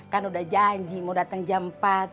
kan udah janji mau datang jam empat